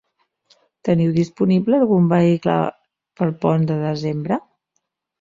Teniu disponible algun vehicle pel pont de desembre?